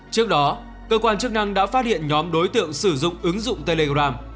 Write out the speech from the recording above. trước đó cơ quan chức năng đã phát hiện nhóm đối tượng sử dụng ứng dụng telegram